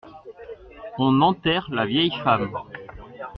On enterre la vieille femme.